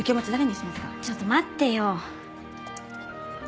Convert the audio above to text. ちょっと待ってよ！